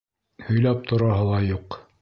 — Һөйләп тораһы ла юҡ.